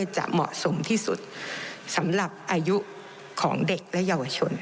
จะเหมาะสมที่สุดสำหรับอายุของเด็กและเยาวชน